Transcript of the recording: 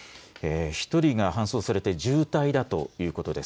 １人が搬送されて重体だということです。